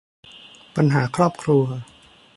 ปัญหาครอบครัว